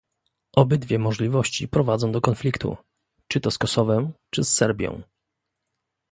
Obydwie możliwości prowadzą do konfliktu, czy to z Kosowem czy z Serbią